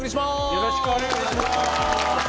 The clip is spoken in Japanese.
よろしくお願いします！